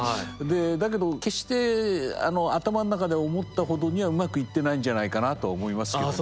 だけど決して頭の中で思ったほどにはうまくいってないんじゃないかなとは思いますけどね。